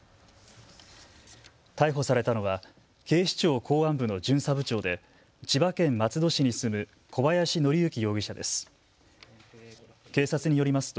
逮捕されたのは警視庁公安部の巡査部長で千葉県松戸市に住む小林徳之容疑者です。